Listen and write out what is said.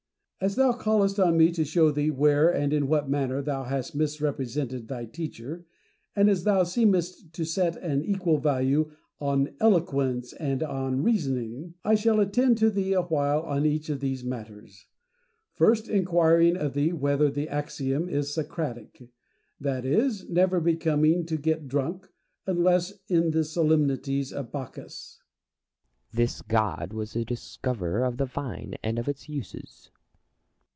As thou callest on me to show thee where and in what manner thou hast misrepresented thy teacher, and as thou seemest to set an equal value on eloquence and on reasoning, I shall attend to thee awhile on each of these matters, first inquiring of thee whether the axiom is Socratic, that it is never becoming to get drunk, unless in the solemnities of Bacchus 1 Plato. This god was the discoverer of the vine and of its uses. Diogenes.